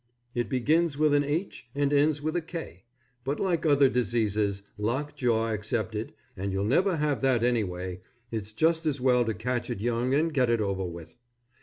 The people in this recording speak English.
It begins with an "h" and ends with a "k," but like other diseases, lockjaw excepted, and you'll never have that anyway, it's just as well to catch it young and get it over with.